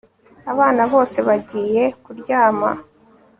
Abana bose bagiye kuryama